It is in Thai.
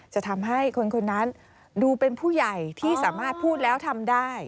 จะทำให้คนคนนั้นดูเป็นผู้ใหญ่ที่สามารถพูดแล้วทำได้